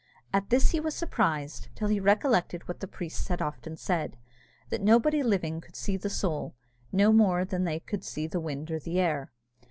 At this he was surprised, till he recollected what the priests had often said, that nobody living could see the soul, no more than they could see the wind or the air.